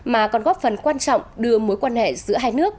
mà còn góp phần quan trọng đưa mối quan hệ giữa hai nước